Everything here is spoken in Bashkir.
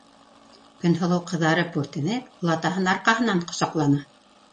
Көнһылыу, ҡыҙарып-бүртенеп, олатаһын арҡаһынан ҡосаҡланы: